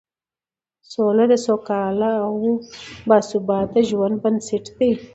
سوله د سوکاله او باثباته ژوند بنسټ دی